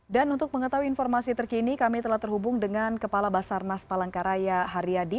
dan untuk mengetahui informasi terkini kami telah terhubung dengan kepala basarnas palangkaraya hariadi